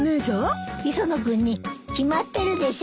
磯野君に決まってるでしょ。